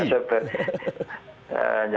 kang asep ya